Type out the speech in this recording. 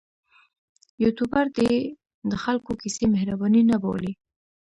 یوټوبر دې د خلکو کیسې مهرباني نه بولي.